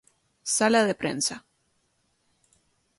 Sala de Prensa